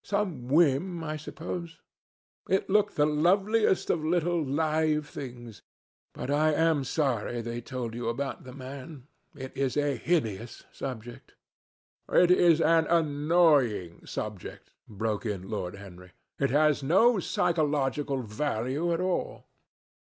Some whim, I suppose. It looked the loveliest of little live things. But I am sorry they told you about the man. It is a hideous subject." "It is an annoying subject," broke in Lord Henry. "It has no psychological value at all.